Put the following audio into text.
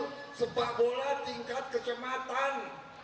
untuk sepak bola tingkat kecematan